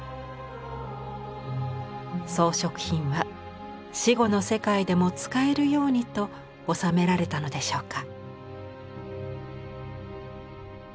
装飾品は死後の世界でも使えるようにと納められたのでしょうか。